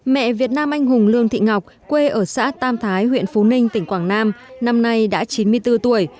mẹ việt nam anh hùng lương thị ngọc quê ở xã tam thái huyện phú ninh tỉnh quảng nam năm nay đã chín mươi bốn tuổi